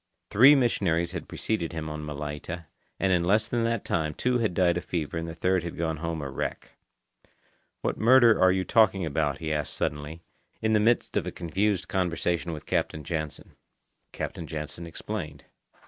Three missionaries had preceded him on Malaita, and in less than that time two had died of fever and the third had gone home a wreck. "What murder are you talking about?" he asked suddenly, in the midst of a confused conversation with Captain Jansen. Captain Jansen explained.